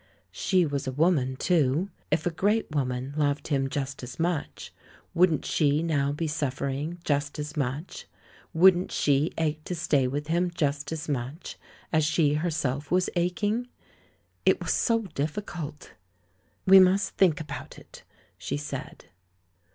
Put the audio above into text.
She was a woman, too. If a great woman loved him just as much, wouldn't she now be suffering just as much — wouldn't she ache to stay with him just as much as she herself was aching? ... It was so difficult! "We must think about it," she said.